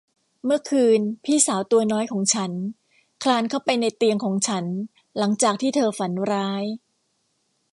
เมื่อคืนพี่สาวตัวน้อยของฉันคลานเข้าไปในเตียงของฉันหลังจากที่เธอฝันร้าย